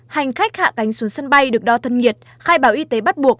hành khách hạ cánh xuống sân bay được đo thân nhiệt khai báo y tế bắt buộc